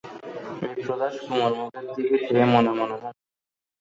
বিপ্রদাস কুমুর মুখের দিকে চেয়ে মনে মনে হাসলে।